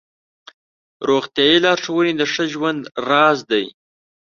روغتیایي لارښوونې د ښه ژوند راز دی.